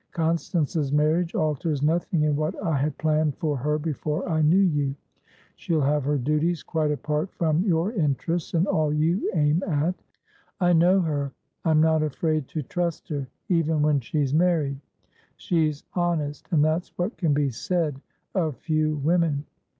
"Constance's marriage alters nothing in what I had planned for her before I knew you. She'll have her duties quite apart from your interests and all you aim at. I know her; I'm not afraid to trust her, even when she's married. She's honestand that's what can be said of few women.